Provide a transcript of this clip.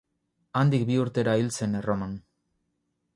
Handik bi urtera hil zen Erroman.